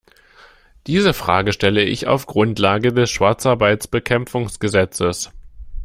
Diese Fragen stelle ich auf Grundlage des Schwarzarbeitsbekämpfungsgesetzes.